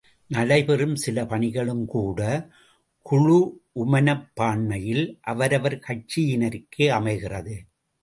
நடைபெறும் சில பணிகளும் கூட குழுஉ மனப்பான்மையில் அவரவர் கட்சியினருக்கே அமைகிறது.